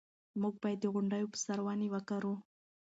موږ باید د غونډیو په سر ونې وکرو.